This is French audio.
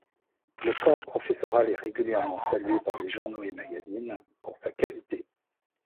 Le corps professoral est régulièrement salué par les journaux et magazines pour sa qualité.